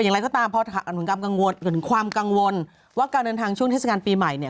อย่างไรก็ตามพออนุกรรมกังวลความกังวลว่าการเดินทางช่วงเทศกาลปีใหม่เนี่ย